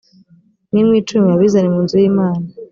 kimwe mu icumi babizane mu nzu y’imana